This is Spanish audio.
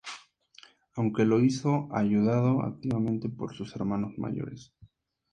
Aunque lo hizo ayudado activamente por sus hermanos mayores.